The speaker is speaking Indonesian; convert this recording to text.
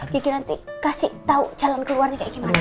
kiki nanti kasih tau jalan keluarnya kayak gimana